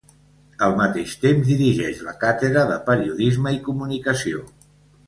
Al mateix temps, dirigeix la Càtedra de Periodisme i Comunicació.